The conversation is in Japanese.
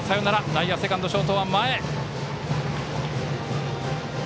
内野セカンド、ショートは前。